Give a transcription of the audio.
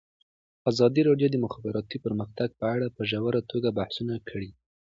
ازادي راډیو د د مخابراتو پرمختګ په اړه په ژوره توګه بحثونه کړي.